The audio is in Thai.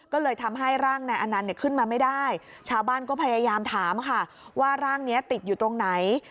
ก็เลยทำให้ร่างนายอนันต์เนี่ยขึ้นมาไม่ได้ชาวบ้านก็พยายามถามค่ะว่าร่างนี้ติดอยู่ตรงไหน